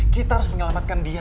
kita harus menyelamatkan dia